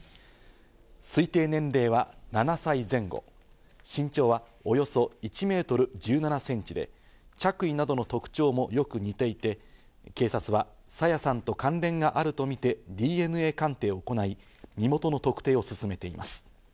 推定年齢は７歳前後、身長はおよそ１メートル１７センチで、着衣などの特徴もよく似ていて、警察は朝芽さんと関連があるとみてＤＮＡ鑑定を行い、身元の特定を進めています。